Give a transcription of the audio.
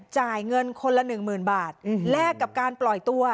จ่ายเงินคนละ๑๐๐๐บาทแลกกับการปล่อยตัว